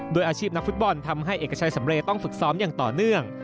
ด้วยอาชีพนักฟุตบอลทำให้เอกชัยสำเรย์ต้องฝึกซ้อมอย่างต่อเนื่อง